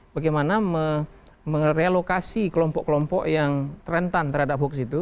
bagaimana merelokasi kelompok kelompok yang rentan terhadap hoax itu